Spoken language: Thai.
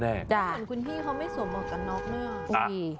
ได้คุณพี่เขาไม่สวมเหมาะกันนอกนะอุ้ย